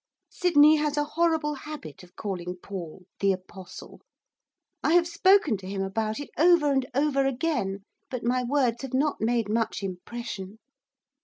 Sydney has a horrible habit of calling Paul 'the Apostle'; I have spoken to him about it over and over again, but my words have not made much impression.